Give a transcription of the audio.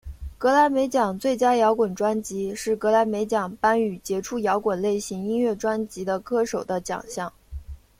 葛莱美奖最佳摇滚专辑是葛莱美奖颁予杰出摇滚类型音乐专辑的歌手的奖项。